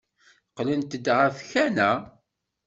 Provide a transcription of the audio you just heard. Qqlent-d ɣer tkanna.